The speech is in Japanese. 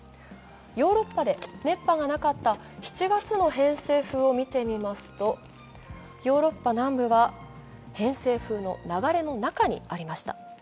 ヨーロッパで熱波がなかった７月の偏西風を見てみますと、ヨーロッパ南部は偏西風の流れの中にありました。